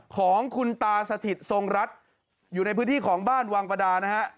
ของคุณตาสถิตทรงรัฐอยู่ในพื้นที่ของบ้านวังประดานะฮะ